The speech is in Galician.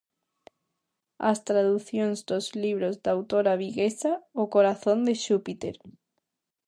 As traducións dos libros da autora viguesa "O corazón de Xúpiter".